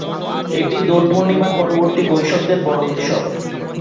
এটি দোল পূর্ণিমার পরবর্তী বৈষ্ণবদের বড়ো উৎসব।